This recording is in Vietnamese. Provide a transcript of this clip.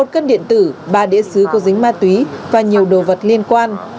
một cân điện tử ba đĩa xứ có dính ma túy và nhiều đồ vật liên quan